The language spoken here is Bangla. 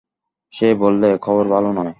সে বললে, খবর ভালো নয়।